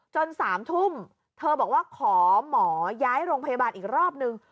๓ทุ่มเธอบอกว่าขอหมอย้ายโรงพยาบาลอีกรอบนึง